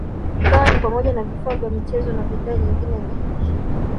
ikiwa ni pamoja na vifaa vya michezo na bidhaa nyengine nyingi